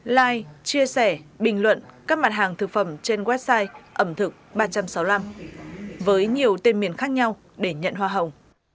like chia sẻ bình luận các mặt hàng thực phẩm trên website ẩm thực ba trăm sáu mươi năm với nhiều tên miền khác nhau để nhận hoa hồng